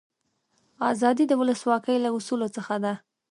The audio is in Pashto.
آزادي د ولسواکي له اصولو څخه ده.